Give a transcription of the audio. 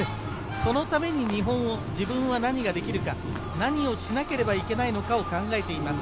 そのために自分が何ができるか、何をしなければいけないのかを考えています。